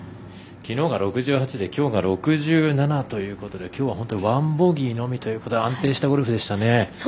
きのうが６８できょうが６７というきょうは本当に１ボギーのみというところで安定したゴルフでしたね。